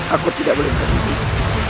aku harus menahan rasa sakit ini